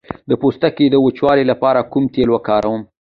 د پوستکي د وچوالي لپاره کوم تېل وکاروم؟